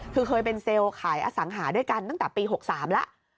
คือเคยเป็นเซลล์ขายอสังหาด้วยกันตั้งแต่ปี๖๓แล้ว